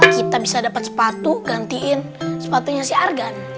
kita bisa dapat sepatu gantiin sepatunya si argan